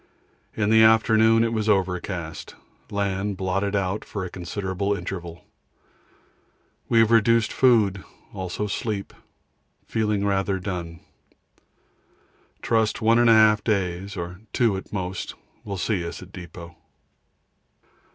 In the afternoon it was overcast; land blotted out for a considerable interval. We have reduced food, also sleep; feeling rather done. Trust 1 1/2 days or 2 at most will see us at depot.